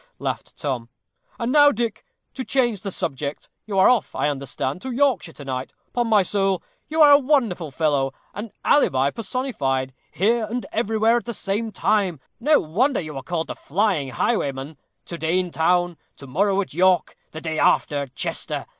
laughed Tom. "And now, Dick, to change the subject. You are off, I understand, to Yorkshire to night. 'Pon my soul, you are a wonderful fellow an alibi personified! here and everywhere at the same time no wonder you are called the flying highwayman. To day in town to morrow at York the day after at Chester.